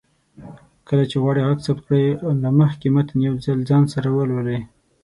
کله چې غواړئ غږ ثبت کړئ، له مخکې متن يو ځل ځان سره ولولئ